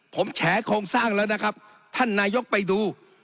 ผมแฉโครงสร้างแล้วนะครับท่านนายกไปดู